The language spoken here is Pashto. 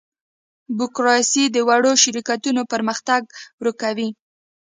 بوروکراسي د وړو شرکتونو پرمختګ ورو کوي.